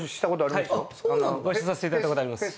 ご一緒させていただいたことあります。